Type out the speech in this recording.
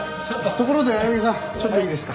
ところで青柳さんちょっといいですか？